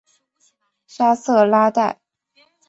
沙瑟拉代。